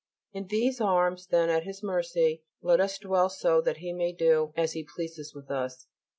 In these arms, then, at His mercy, let us dwell so that He may do as He pleases with us.